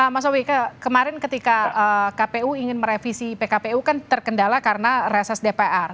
mas owi kemarin ketika kpu ingin merevisi pkpu kan terkendala karena reses dpr